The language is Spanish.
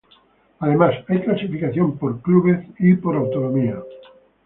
Además, hay clasificación por clubes y por autonomías.